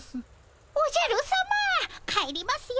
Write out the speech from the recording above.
おじゃるさま帰りますよ！